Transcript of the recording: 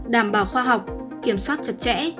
đảm bảo khoa học kiểm soát chặt chẽ